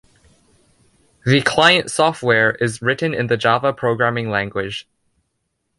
The client-software is written in the Java programming language.